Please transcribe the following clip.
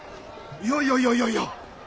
いやいやいやいやいや！